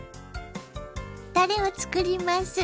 たれを作ります。